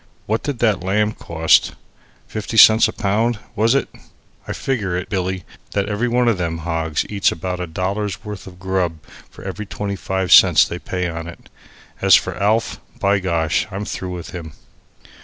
What did that lamb cost? Fifty cents a pound, was it? I figure it, Billy, that every one of them hogs eats about a dollar's worth a grub for every twenty five cents they pay on it. As for Alf by gosh, I'm through with him."